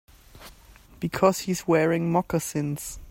Because he's wearing moccasins.